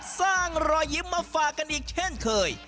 รอยยิ้มมาฝากกันอีกเช่นเคย